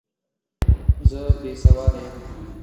زه بې سواده یم!